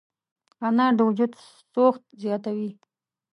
انار د وجود سوخت زیاتوي.